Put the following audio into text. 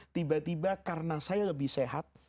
tiba tiba karena saya lebih sehat